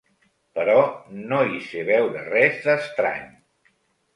Però no hi sé veure res d'estrany.